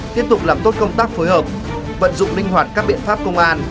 tiếp tục làm tốt công tác phối hợp vận dụng linh hoạt các biện pháp công an